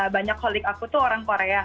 banyak holik aku tuh orang korea